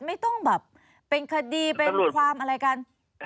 ไม่ต้องแบบเป็นคดีเป็นความอะไรกัน